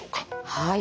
はい。